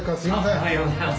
おはようございます。